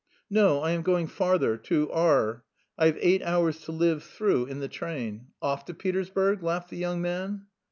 "No, I am going farther, to R . I've eight hours to live through in the train. Off to Petersburg?" laughed the young man.